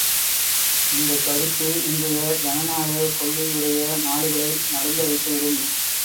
இந்தக் கருத்து, இன்றைய ஜனநாயகக் கொள்கையுடைய நாடுகளை நடுங்க வைத்து விடும்.